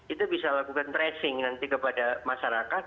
itu bisa lakukan tracing nanti kepada masyarakat